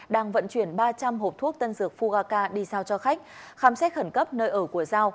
đang vận chuyển ba trăm linh hộp thuốc tân dược fugaka đi sao cho khách khám xét khẩn cấp nơi ở của rau